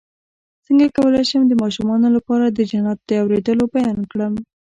څنګه کولی شم د ماشومانو لپاره د جنت د اوریدلو بیان کړم